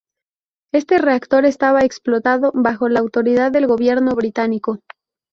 Este reactor estaba explotado bajo la autoridad del Gobierno Británico.